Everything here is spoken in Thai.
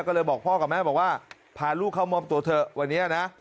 ก็เลยบอกพ่อกับแม่บอกว่าพาลูกเข้ามอบตัวเถอะวันนี้นะ